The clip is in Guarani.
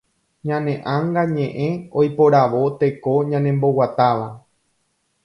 Ñane ãnga ñeʼẽ oiporavo teko ñanemboguatáva.